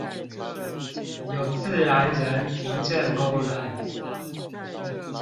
有自然人憑證功能